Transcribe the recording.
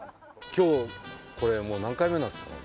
今日これもう何回目になったの？